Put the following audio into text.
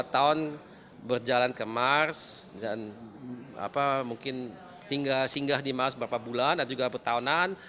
dua tahun berjalan ke mars dan mungkin tinggal singgah di mars berapa bulan atau juga petahunan